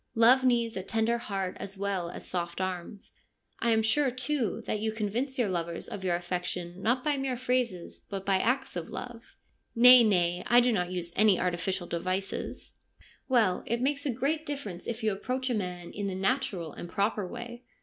Love needs a tender heart as well as soft arms. I am sure, too, that you convince your lovers of your affection not by mere phrases, but by acts of love.' ' Nay, nay, I do not use any artificial devices.' 142 FEMINISM IN GREEK LITERATURE ' Well, it makes a great difference if you approach a man in the natural and proper way.